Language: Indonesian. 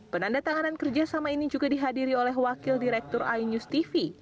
penanda tanganan kerjasama ini juga dihadiri oleh wakil direktur ainews tv